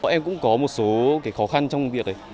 em cũng có một số khó khăn trong việc đấy